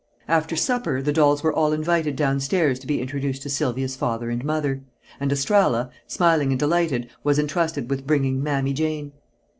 After supper the dolls were all invited downstairs to be introduced to Sylvia's father and mother; and Estralla, smiling and delighted, was entrusted with bringing "Mammy Jane."